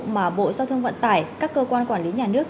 mà bộ giao thông vận tải các cơ quan quản lý nhà nước